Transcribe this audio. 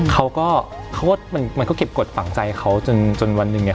เขาก็เขาก็เก็บกฎฝังใจเขาจนจนวันหนึ่งเนี่ย